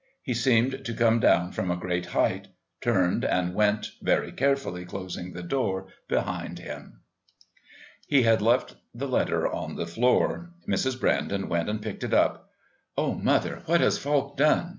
He seemed to come down from a great height, turned and went, very carefully closing the door behind him. He had left the letter on the floor. Mrs. Brandon went and picked it up. "Oh, mother, what has Falk done?"